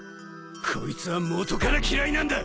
こいつは元から嫌いなんだ！